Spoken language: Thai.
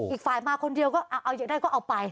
อีกฝ่ายมาคนเดียวก็เอาอยากได้ก็เอาไป